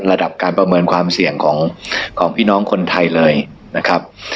ระดับการประเมินความเสี่ยงของพี่น้องคนไทยเลยนะครับ